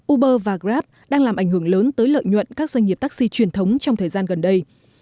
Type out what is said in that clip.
uber và grab đang làm ảnh hưởng lớn tới lợi nhuận các doanh nghiệp taxi truyền thống trong thời gian gần đây